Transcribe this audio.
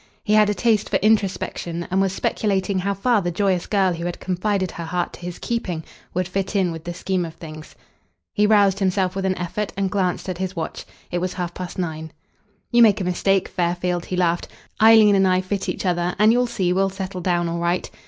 He had a taste for introspection, and was speculating how far the joyous girl who had confided her heart to his keeping would fit in with the scheme of things. He roused himself with an effort and glanced at his watch. It was half past nine. "You make a mistake, Fairfield," he laughed. "Eileen and I fit each other, and you'll see we'll settle down all right.